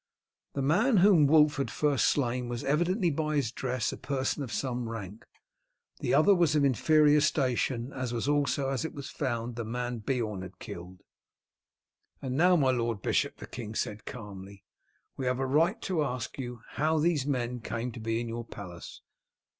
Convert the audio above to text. The man whom Wulf had first slain was evidently by his dress a person of some rank; the other was of inferior station, as was also, as it was found, the man Beorn had killed. "Now, my lord bishop," the king said calmly, "we have a right next to ask you how these men came to be in your palace.